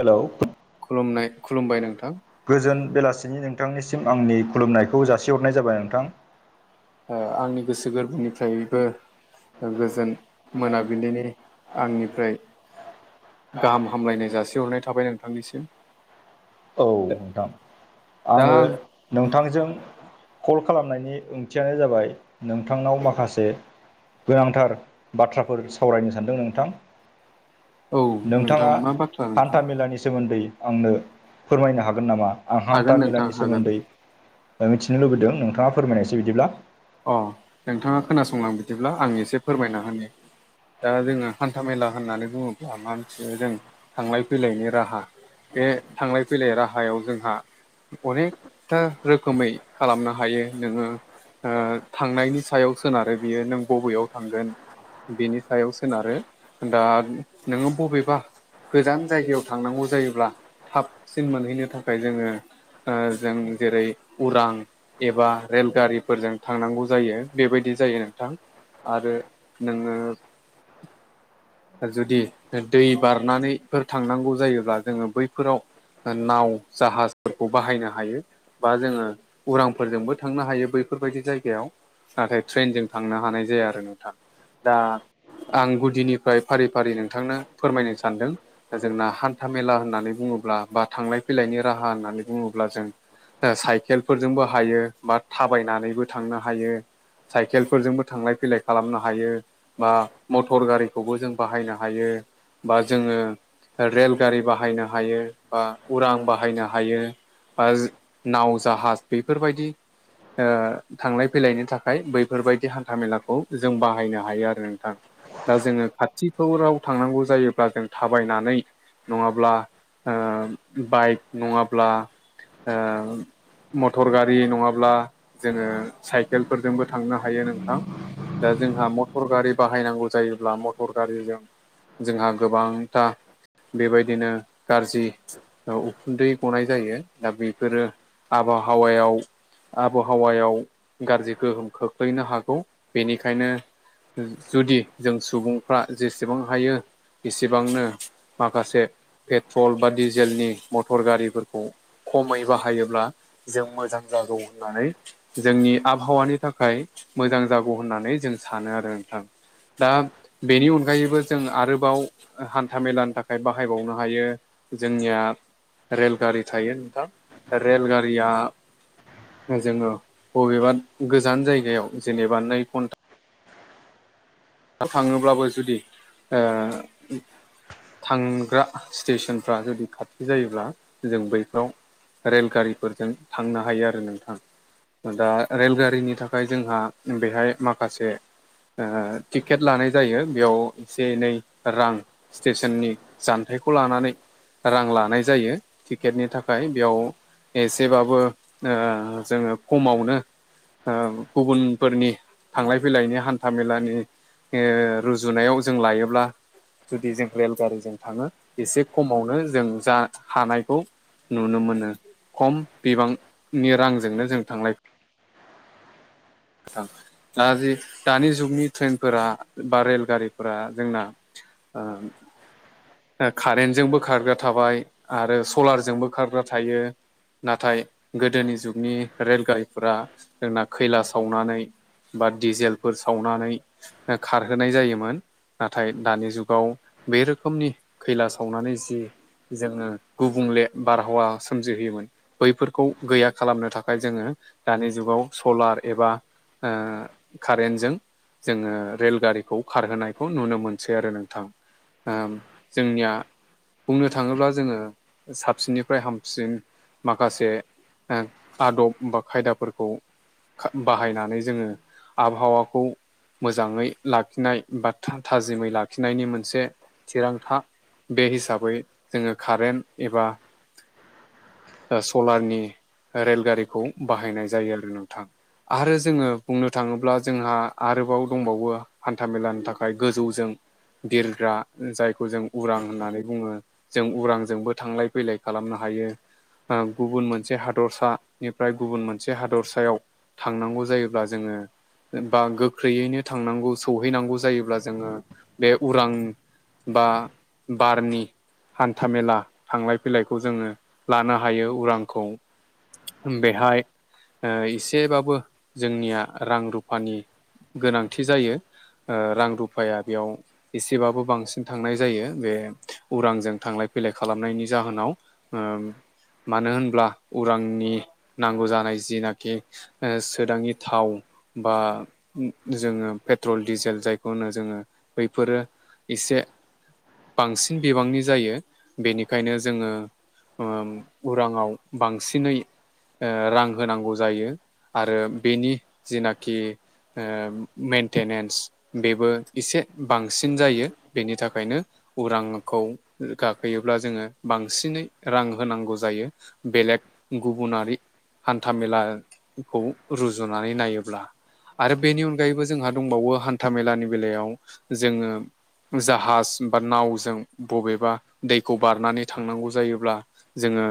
हेल' खुलुमनाय खुलुमबाय नोंथां गोजोन बेलासिनि नों थांनिसिम आंनि खुलुमनायखौ जासिहरनाय जाबाय नोंथां ओ आंनि गोसो गोरबोनिफ्रायबो गोजोन मोनाबिलिनि आंनिफ्राय गाहाम हामलायनाय जासिहरनाय थाबाय नोंथांनिसिम औ नोंथां दा आङो आं नोंथांजों कल खालामनायनि ओंथियानो जाबाय नोंथांनाव माखासे गोनांथार बाथ्राफोर सावरायनो सानदों नोंथां औ नोंथां नोंथाङा मा बाथ्रा नोंथां हान्था मेलानि सोमोन्दै आंनो फोरमायनो हागोन नामा आं हागोन हान्था नोंथां मेलानि हागोन सोमोन्दै ओ मिथिनो लुबैदों नोंथाङा फोरमायनायसै बिदिब्ला अ नोंथाङा खोनासंलां बिदिब्ला आं एसे फोरमायना होनो दा जोङो हान्था मेला होननानै बुङोब्ला मा मिथियो जों थांलाय फैलायनि राहा बे थांलाय फैलाय राहायाव जोंहा अनेकथा रोखोमै खालामनो हायो नोङो ओ थांनायनि सायाव सोनारो बियो नों बबेयाव थांगोन बिनि सायाव सोनारो दा नोङो बबेबा गोजान जायगायाव थांनांगौ जायोब्ला थाबसिन मोनहैनो थाखाय जोङो ओ जों जेरै उरां एबा रेलगारिफोरजों थांनांगौ जायो बेबायदि जायो नोंथां आरो नोङो जुदि दै बारनानैफोर थांनांगौ जायोब्ला जोङो बैफोराव नाव जाहाजफोरखौ बाहायनो हायो बा जोङो उरांफोरजोंबो थांनो हायो बैफोरबायदि जायगायाव नाथाय ट्रेनजों थांनो हानाय जाया आरो नोंथां दा आं गुदिनिफ्राय फारि फारि नोंथांनो फोरमायनो सानदों जोंना हान्था मेला होननानै बुङोब्ला बा थांलाय फैलायनि राहा होननानै बुङोब्ला जों साइकेलफोरजोंबो हायो बा थाबायनानैबो थांनो हायो साइकेलफोरजोंबो थांलाय फैलाय खालामनो हायो बा मटर गारिखौबो जों बाहायनो हायो बा जोङो रेलगारि बाहायनो हायो बा उरां बाहायनो हायो नाव जाहाज बेफोरबायदि थांलाय फैलायनि थाखाय बैफोरबायदि हान्था मेलाखौ जों बाहायनो हायो आरो नोंथां दा जोङो खाथिफोराव थांनांगौ जायोब्ला जों थाबायनानै नङाब्ला ओ बाइक नङाब्ला ओ मटर गारि नङाब्ला जोङो साइकेलफोरजोंबो थांनो हायो नोंथां दा जोंहा मटर गारि बाहायनांगौ जायोब्ला मटर गारिजों जोंहा गोबांथा बेबायदिनो गाज्रि उखुन्दै गनाय जायो दा बेफोरो आबहावायाव आब हावायाव गाज्रि गोहोम खोख्लैनो हागौ बेनिखायनो जुदि जों सुबुंफ्रा जेसेबां हायो एसेबांनो माखासे पेट्रल बा डिजेलनि मटर गारिफोरखौ खमै बाहायोब्ला जों मोजां जागौ होननानै जोंनि आबहावानि थाखाय मोजां जागौ होननानै जों सानो आरो नोंथां दा बेनि अनगायैबो जों आरोबाव हान्था मेलानि थाखाय बाहायबावनो हायो जोंनिया रेलगारि थायो नोंथां रेल गारिया जोङो बबेबा गोजान जायगायाव जेनेबा नै घन्टा थाङोब्लाबो जुदि ओ थांग्रा स्टेसनफ्रा जुदि खाथि जायोब्ला जों बैफ्राव रेलगारिफोरजों थांनो हायो आरो नोंथां दा रेलगारिनि थाखाय जोंहा बेहाय माखासे टिकेट लानाय जायो बेयाव एसे एनै रां स्टेसननि जान्थायखौ लानानै रां लानाय जायो टिकेटनि थाखाय बेयाव एसेबाबो ओ जोङो कमावनो ओ गुबुनफोरनि थांलाय फैलायनि हान्था मेलानि ओ रुजुनायाव जों लायोब्ला जुदि जों रेलगारिजों थाङो एसे खमावनो जों जा हानायखौ नुनो मोनो खम बिबांनि रांजोंनो जों थांलाय [inaudible] ओ दा जि दानि जुगनि ट्रेनफोरा बा रेलगारिफोरा जोंना ओ ओ कारेन्टजोंबो खारग्रा थाबाय आरो सलारजोंबो खारग्रा थायो नाथाय गोदोनि जुगनि रेलगारिफोरा जोंना खैला सावनानै बा डिजेलफोर सावनानै ओ‌ खारहोनाय जायोमोन नाथाय दानि जुगाव बे रोखोमनि खैला सावनानै जि जोङो गुबुंले बारहावा सोमजिहोयोमोन बैफोरखौ गैया खालामनो थाखाय जोङो दानि जुगाव सलार एबा ओ कारेन्टजों जोङो रेलगारिखौ खारहोनायखौ नुनो मोनसै आरो नोंथां ओम जोंनिया बुंनो थाङोब्ला जोङो साबसिननिफ्राय हामसिन माखासे ओ आदब बा खायदाफोरखौ खा बाहायनानै जोङो आबहावाखौ मोजाङै लाखिनाय बा था थाजिमै लाखिनायनि मोनसे थिरांथा बे हिसाबै जोङो कारेन्ट एबा ओ सलारनि रेलगारिखौ बाहायनाय जायो आरो नोंथां आरो जोङो बुंनो थाङोब्ला जोंहा आरोबाव दंबावो हान्था- मेलानि थाखाय गोजौजों बिरग्रा जायखौ जों उरां होननानै बुङो। जों उरांजोंबो थांलाय फैलाय खालामनो हायो ओ गुबुन मोनसे हादरसानिफ्राय गुबुन मोनसे हादरसायाव थांनांगौ जायोब्ला जोङो बां गो ख्रैयैनो थांनांगौ सौहैनांगौ जायोब्ला जोङो बे उरां बा बारनि हान्था मेला थांलाय फैलायखौ जोङो लानो हायो उरांखौ बेहाय ओ एसेबाबो जोंनिया रां रुफानि गोनांथि जायो ओ रां- रुफाया बेयाव एसेबाबो बांसिन थांनाय जायो बे उरांजों थांलाय फैलाय खालामनायनि जाहोनाव ओम मानो होनब्ला उरांनि नांगौ जानाय जिनाखि ओ सोदाङि थाव बा जोङो पेट्रल डिजेल जायखौ होनो जोङो बैफोरो इसे बांसिन बिबांनि जायो बेनिखायनो जोङो ओम उराङाव बांसिनै ओ रां होनांगौ जायो आरो बेनि जिनाखि ओ मेेनटेनेन्स बेबो एसे बांसिन जायो बेनि थाखायनो उरांखौ गाखोयोब्ला जोङो बांसिनै रां होनांगौ जायो। बेलेग गुबुनारि हान्थामेलाखौ रुजुनानै नायोब्ला। आरो बेनि अनगायैबो जोंहा दंबावो हान्था मेलानि बेलायाव जोङो जाहाज बा नावजों बबेबा दैखौ बारनानै थांनांगौ जायोब्ला जोङो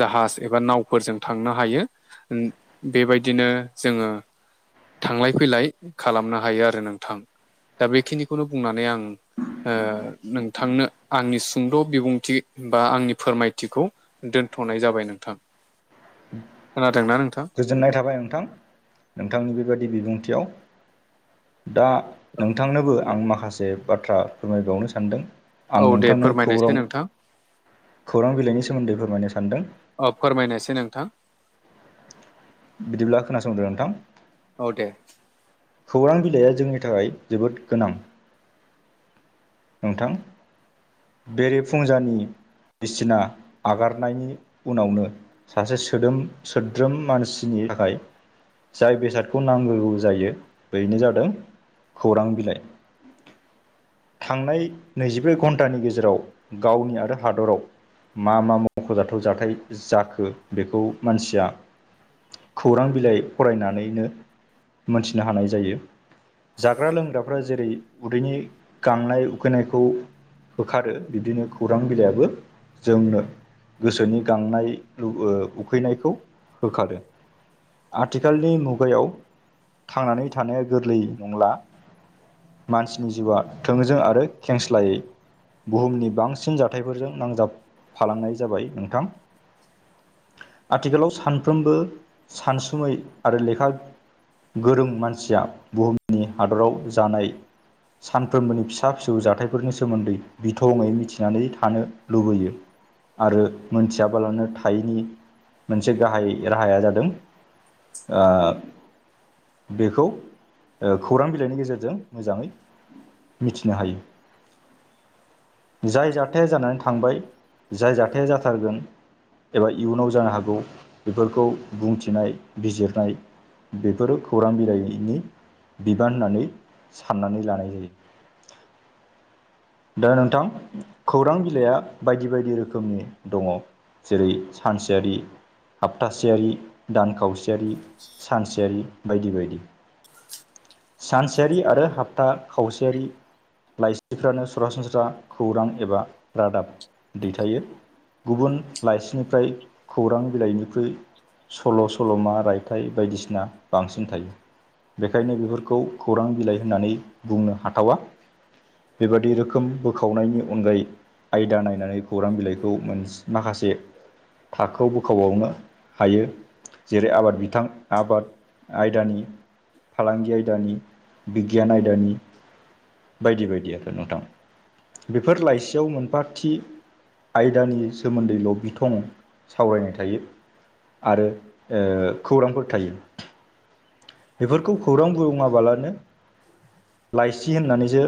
जाहाज एबा नावफोरजों थांनो हायो। ओम बेबायदिनो जोङो थांलाय फैलाय खालामनो हायो आरो नोंथां दा बेखिनिखौनो बुंनानै आं ओ नोंथांनो आंनि सुंद' बिबुंथि बा आंनि फोरमायथिखौ दोनथ'नाय जाबाय नोंथां खोनादोंना नोंथां? गोजोननाय थाबाय नोंथां नोंथांनि बेबायदि बिबुंथियाव दा औ नोंथांनोबो आं माखासे बाथ्रा फोरमायबावनो सानदों। आं औ दे नोंथांनो फोरमायनायसै खौरां नोंथां खौरां बिलाइनि सोमोन्दै फोरमायनो सानदों। अ फोरमायनायसाय नोंथां बिदिब्ला खोनासंदो नोंथां। औ दे। खौरां बिलाइया जोंनि थाखाय जोबोद गोनां। नोंथां बेरे फुंजानि बिसिना नागारनायनि उनावनो सासे सोदोम सोद्रोम मानसिनि थाखाय जाय बेसादखौ नांगौ जायो बेनो जादों खौरां बिलाइ। थांनाय नैजिब्रै घन्टानि गेजेराव गावनि आरो हादराव मा मा मख'जाथाव जाथाय जाखो बेखौ मानसिया खौरां बिलाइ फरायनानैनो मोनथिनो हानाय जायो। जाग्रा लोंग्राफ्रा जेरै उदैनि गांनाय उखैनायखौ होखारो बिबदिनो खौरां बिलाइयाबो जोंनो गोसोनि गांनाय लु उखैनायखौ होखारो। आथिखालनि मुगायाव थांनानै थानाया गोरलै नंला मानसिनि जिउआ थोंजों आरो खेंस्लायै। बुहुमनि बांसिन जाथायफोरजों नांजाबफालांनाय जाबाय नोंथां। आथिखालाव सानफ्रोमबो सानसुमै आरो लेखा गोरों मानसिया बुहुमनि हादराव जानाय सान फ्रामबोनि फिसा फिसौ जाथायफोरनि सोमोन्दै बिथङै मिथिनानै थानो लुबैयो। आरो मोनथियाबालानो थायैनि मोनसे गाहाय राहाया जादों आ बेखौ ओ खौरां बिलाइनि गेजेरजों मोजाङै मिथिनो हायो। जाय जाथाया जानानै थांबाय जाय जाथाया जाथारगोन एबा इयुनाव जानो हागौ बेफोरखौ बुंथिनाय, बिजिरनाय बेफोरो खौरां बिलाइनि बिबान होननानै साननानै लानाय जायो। दा नोंथां खौरां बिलाइआ बायदि बायदि रोखोमनि दङ। जेरै सानसेयारि हापथासेयारि, दान खावसेयारि, सानसेयारि बायदि बायदि। सानसेयारि आरो हाबथा खावसेयारि लाइसिफ्रानो सरासनस्रा खौरां एबा रादाब दैथायो। गुबुन लाइसिनिफ्राय खौरां बिलाइनिख्रुइ सल, ' सल'मा, रायथाइ बायदिसिना बांसिन थायो। बेखायनो बेफोरखौ खौरां बिलाइ होननानै बुंनो हाथावा। बेबादि रोखोम बोखावनायनि अनगायै आयदा नायनानै खौरां बिलाइखौ मोन माखासे थाखो बोखाबावनो हायो जेरै आबाद [unintelligible] बिथां आबाद आयदानि फालांगि आयदानि बिगियान आयदानि बायदि बायदि आरो नोंथां बेफोर लाइसियाव मोनफा थि। आयदानि सोमोन्दैल' बिथं सावरायनाय थायो। आरो ओ खौरांफोर थायो। बेफोरखौ खौरां बुङाबालानो लाइसि होननानैसो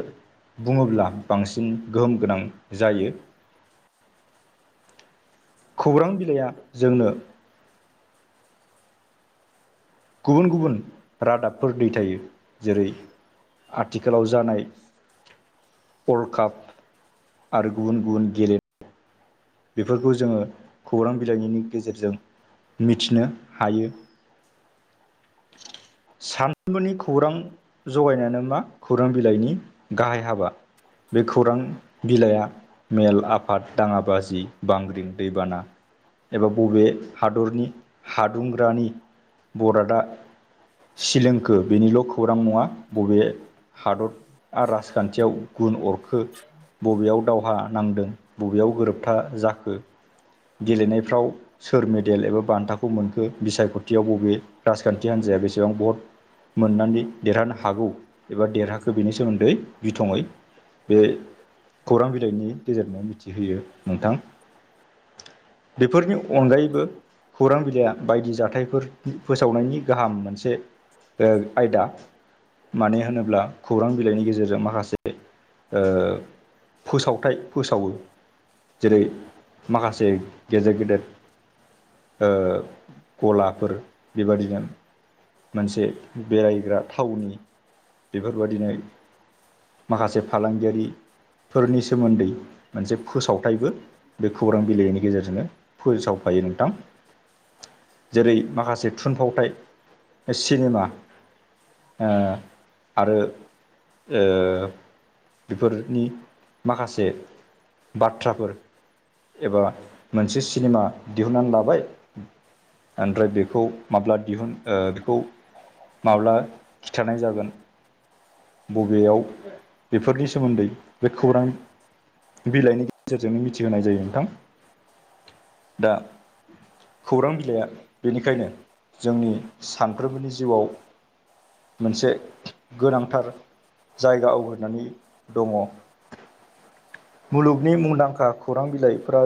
बुङोब्ला बांसिन गोहोम गोनां जायो। खौरां बिलाइया जोंनो गुबुन गुबुन रादाबफोर दैथायो जेरै- आथिखालाव जानाय वर्ल्ड काप आरो गुबुन गुबुन गेले बेफोरखौ जोङो खौरां बिलाइनि गेजेरजों मिथिनो हायो। [inaudible] सानफ्रोमबोनि खौरां ज'गायनायानो मा खौरां बिलाइनि गाहाय हाबा। बे खौरां बिलाइआ मेल आफाद दाङाबाजि। बांग्रिं दैबाना एबा बबे हादरनि हादुंग्रानि बरादा सिलोंखो बेनिल' खौरां नङा बबे हादर आ राजखान्थियाव गुन अरखो बबेयाव दावहा नांदों बबेयाव गोरोब खथा जाखो गेलेनायफ्राव सोर मेडेल एबा बान्थाखौ मोनखो बिसायख'थियाव बबे राजखान्थि हान्जाया बेसेबां भत मोननानै देरहानो हागौ एबा देरहाखो बेनि सोमोन्दै बिथङै। बे खौरां बिलाइनि गेजेरजों मिथिहोयो नोंथां। बेफोरनि अनगायैबो खौरां बिलाइ बायदि जाथायफोरनि फोसावनायनि गाहाम मोनसे। ओ आयदा मानो होनोब्ला खौरां बिलाइनि गेजेरजों माखासे बे ओ फोसावथाय फोसाव जेरै माखासे गेजेर गेदेर। ओ गलाफोर बेबादिनो। मोनसे बेरायग्रा थावनि बेफोरबादिनो। माखासे फालांगियारिफोरनि सोमोन्दै मोनसे फोसाव थायबो बे खौरां बिलाइनि गेजेरजोंनो फोसावफायो नोंथां। जेरै माखासे थुनफावथाय सिनेमा ओ आरो ओ बेफोरनि माखासे बाथ्राफोर एबा मोनसे सिनेमा दिहुनन्नानै लाबाय। ओमफ्राय बेखौ माब्ला ओ दिहुन बेखौ। माब्ला खिथानाय जागोन। बबेयाव बेफोरनि सोमोन्दै बे खौरां बिलाइ गेजेरजोंनो मिथिहोनाय जायो नोंथां दा। खौरां बिलाइया बेनिखायनो जोंनि सानफ्रोमबोनि जिउआव मोनसे गोनांथार जायगा आवग्रिनानै दङ मुलुग नि मुंदांखा खौरां बिलाइफोरा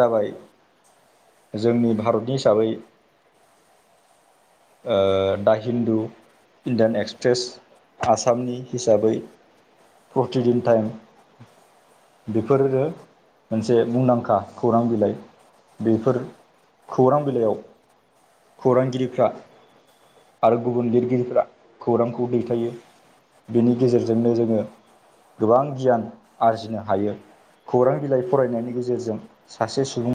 जाबाय जोंनि भारतनि हिसाबै। ओ दा हिन्दु इण्डियान एक्सप्रेस आसामनि हिसाबै प्रतिदिन टाइम। बेफोरनो मोनसे मुंदांखा खौरां बिलाइ। बेफोर खौरां बिलाइयाव खौरांगिरिफ्रा आरो गुबुन लिरगिरिफोरा खौरांखौ दैथायो। बिनि गेजेरजोंनो जोङो गोबां गियान आरजिनो हायो। खौरां बिलाइ फरायनायनि गेजेरजों सासे सुबुं